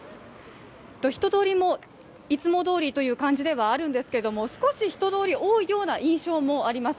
人通りもいつもどおりという感じではあるんですけど、少し、人通り多いような印象もあります。